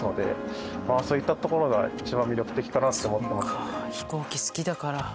そっか飛行機好きだから。